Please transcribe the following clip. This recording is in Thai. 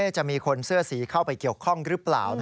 จะมีคนเสื้อสีเข้าไปเกี่ยวข้องหรือเปล่า